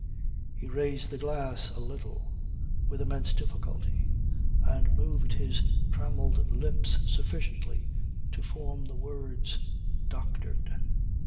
He raised the glass a little with immense difficulty and moved his trammelled lips sufficiently to form the words: "Doctored."